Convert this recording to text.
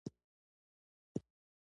د لوبو پروګرامونه د ځوانانو پام راجلبوي.